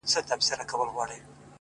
o ستا د خولې سا؛